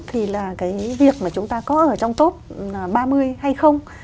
thì là cái việc mà chúng ta có ở trong top ba mươi hay không